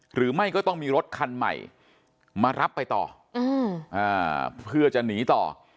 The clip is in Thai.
หรือไม่ก็ต้องมีรถคันใหม่มารับไปต่อเพื่อจะหนีต่อ